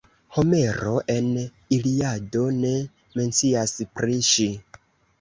Homero en Iliado ne mencias pri ŝi.